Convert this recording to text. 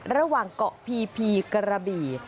ระหว่างเกาะพีพีกระบี่